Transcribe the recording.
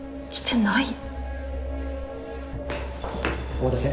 お待たせ。